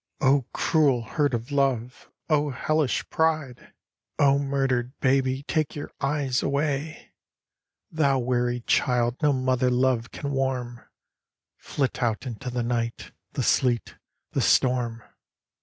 O cruel hurt of love ! O hellish pride ! 86 THE LAST NIGHT . O murdered baby, take your eyes away ! Thou weary child no mother love can warm, Flit out into the night, the sleet, the storm.